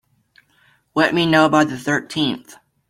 Let me know by the thirteenth.